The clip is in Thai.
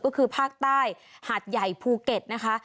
ก็คือภาคใต้หาดใหญ่ภูเก็ตนะคะ